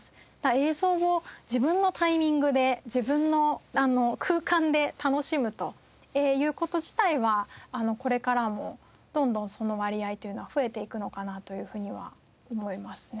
映像を自分のタイミングで自分の空間で楽しむという事自体はこれからもどんどんその割合というのは増えていくのかなというふうには思いますね。